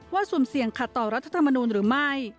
สุ่มเสี่ยงขัดต่อรัฐธรรมนูลหรือไม่